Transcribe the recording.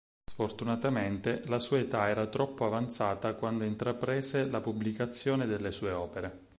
Sfortunatamente, la sua età era troppo avanzata quando intraprese la pubblicazione delle sue opere.